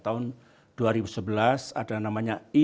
tahun dua ribu sebelas ada namanya east asia